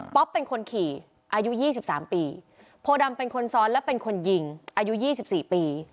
เป็นคนขี่อายุ๒๓ปีโพดำเป็นคนซ้อนและเป็นคนยิงอายุ๒๔ปี